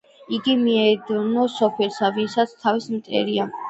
იგი მიენდოს სოფელსა, ვინცა თავისა მტერია